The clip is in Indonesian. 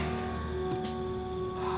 lindo haji dalam bahaya